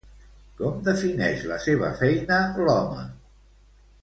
Com defineix la seva feina l'home?